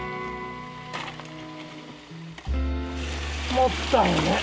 もったいねえ！